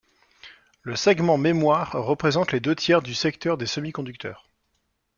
Le segment mémoires représente les deux tiers du secteur des semiconducteurs.